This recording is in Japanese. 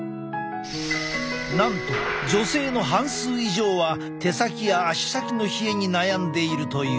なんと女性の半数以上は手先や足先の冷えに悩んでいるという。